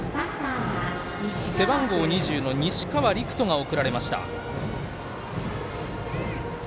背番号２０の西河陸人が送られました。